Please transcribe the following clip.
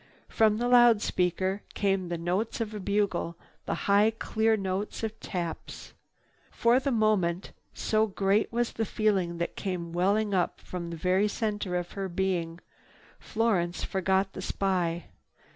From the loud speaker came the notes of a bugle, the high clear notes of "Taps." For the moment, so great was the feeling that came welling up from the very center of her being, Florence forgot the spy.